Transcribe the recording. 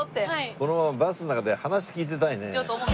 このままバスの中で話聞いていたいね。